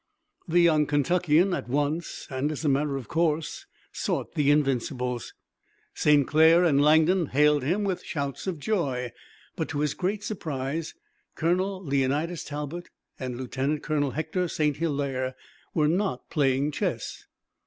The young Kentuckian at once, and, as a matter of course, sought the Invincibles. St. Clair and Langdon hailed him with shouts of joy, but to his great surprise, Colonel Leonidas Talbot and Lieutenant Colonel Hector St. Hilaire were not playing chess.